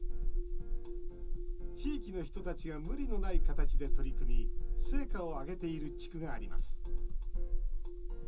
地域の人たちが無理のない形で取り組み成果を上げている地区があります。